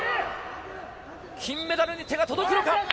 金メダルに手が届くのか。